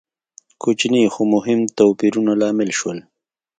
کوچني خو مهم توپیرونه لامل شول.